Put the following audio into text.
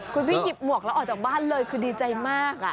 คุณพี่หยิบหมวกแล้วออกจากบ้านเลยคือดีใจมาก